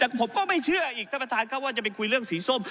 แต่ผมก็ไม่เชื่ออีกท่านประธานครับว่าจะไปคุยเรื่องสีส้ม